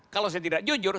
kalau saya tidak jujur